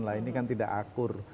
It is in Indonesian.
nah ini kan tidak akur